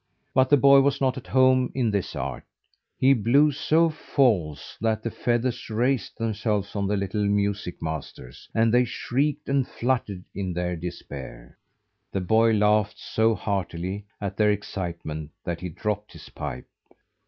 But the boy was not at home in this art. He blew so false that the feathers raised themselves on the little music masters and they shrieked and fluttered in their despair. The boy laughed so heartily at their excitement, that he dropped his pipe.